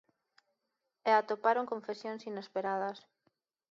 E atoparon confesións inesperadas.